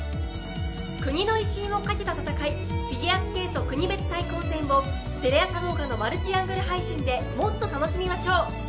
国の威信をかけた戦いフィギュアスケート国別対抗戦をテレ朝動画のマルチアングル配信でもっと楽しみましょう。